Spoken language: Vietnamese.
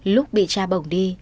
lúc bị cha bồng đi